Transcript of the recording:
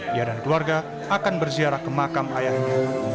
dia dan keluarga akan berziarah ke makam ayahnya